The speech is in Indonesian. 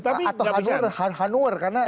atau hanur karena